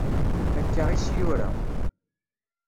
Akka is-yura.